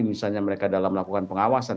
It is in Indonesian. misalnya mereka dalam melakukan pengawasan